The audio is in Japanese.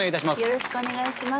よろしくお願いします！